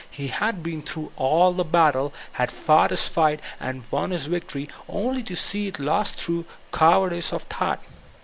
He had been through all the battle, had fought his fight and won his victory, only to see it lost through cowardice of thought.